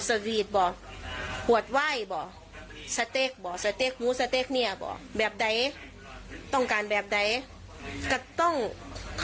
ปลอดภัยได้แต่คือเป็นบุญดูแล